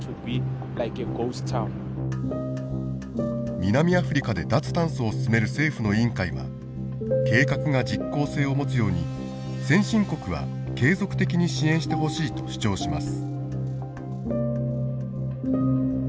南アフリカで脱炭素を進める政府の委員会は計画が実行性を持つように先進国は継続的に支援してほしいと主張します。